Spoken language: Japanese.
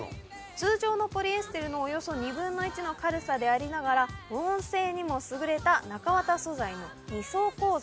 通常のポリエステルのおよそ２分の１の軽さでありながら保温性にも優れた中綿素材の２層構造。